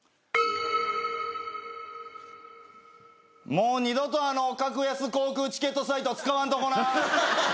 もう二度とあの格安航空チケットサイト使わんとこな。